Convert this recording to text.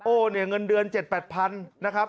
โอ้เนี่ยเงินเดือน๗๐๐๐๘๐๐๐บาทนะครับ